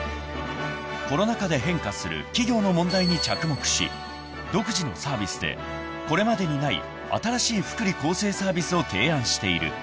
［コロナ禍で変化する企業の問題に着目し独自のサービスでこれまでにない新しい福利厚生サービスを提案している］